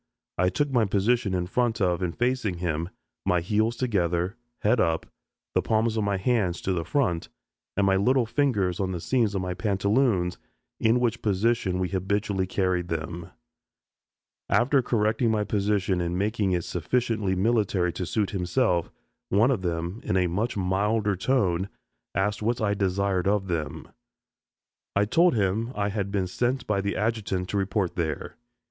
I took my position in front of and facing him, my heels together, head up, the palms of my hands to the front, and my little fingers on the seams of my pantaloons, in which position we habitually carried them. After correcting my position and making it sufficiently military to suit himself, one of them, in a much milder tone, asked what I desired of them. I told him I had been sent by the adjutant to report there.